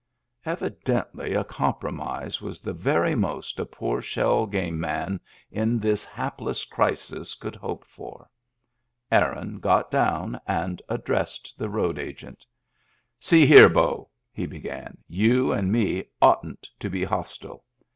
Evidently a compromise was the very most a poor shell game man in this hapless crisis could hope for. Aaron got down and addressed the road agent. "See here, beau," he began, "you and me oughtn't to be hostile.